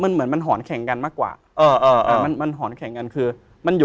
เหมือนมันหอนแข่งกันมากกว่า